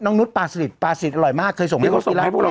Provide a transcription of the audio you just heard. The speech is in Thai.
น้องนุฏปลาสลิดปลาสลิดอร่อยมากเคยส่งมาให้พวกเรากินใช่ใช่อ่า